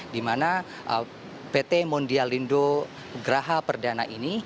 di mana pt mondialindo graha perdana ini